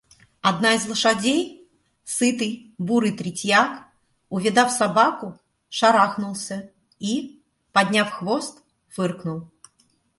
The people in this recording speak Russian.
Одна из лошадей, сытый бурый третьяк, увидав собаку, шарахнулся и, подняв хвост, фыркнул.